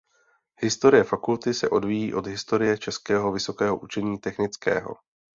Historie fakulty se odvíjí od historie Českého vysokého učení technického.